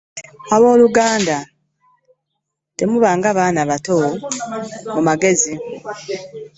Abooluganda, temubanga baana bato mu magezi.